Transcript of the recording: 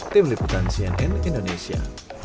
tim liputan cnn indonesia